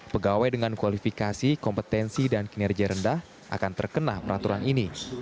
pegawai dengan kualifikasi kompetensi dan kinerja rendah akan terkena peraturan ini